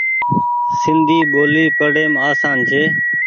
سندي ٻولي پڙيم آسان ڇي ۔